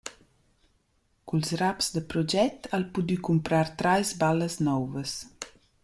Culs raps da proget ha’l pudü cumprar trais ballas nouvas.